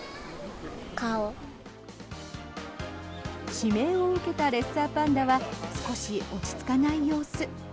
指名を受けたレッサーパンダは少し落ち着かない様子。